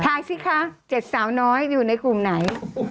สิคะ๗สาวน้อยอยู่ในกลุ่มไหน